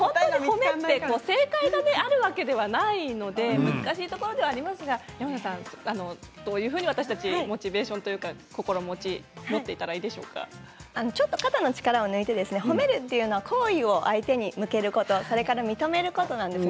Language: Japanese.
褒めって正解があるわけではないので難しいところではありますがどういうふうに私たちモチベーション、心持ちちょっと肩の力を抜いて褒めるというのは好意を相手に向けること認めることです。